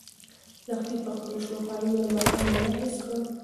لښتې په خپلو شنو خالونو د ماښام رڼا حس کړه.